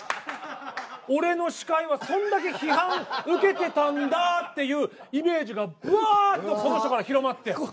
俺の司会はそんだけ批判受けてたんだっていうイメージがブワッとこの人から広まって。